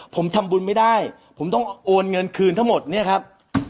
ผมทำบุญไม่ได้ผมต้องโอนเงินคืนทั้งหมดเนี่ยครับ